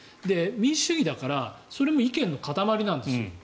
民主主義だからそれも意見の固まりなんですよ。